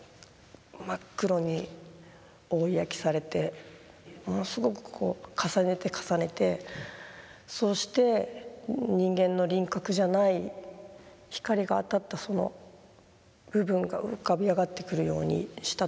真っ黒に棒焼されてものすごくこう重ねて重ねてそして人間の輪郭じゃない光が当たったその部分が浮かび上がってくるようにしたと思うんですね。